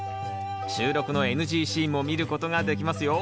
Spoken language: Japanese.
収録のＮＧシーンも見ることができますよ。